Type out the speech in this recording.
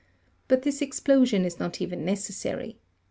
But this explosion is not even necessary.